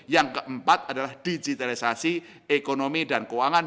yang keempat adalah digitalisasi ekonomi dan keuangan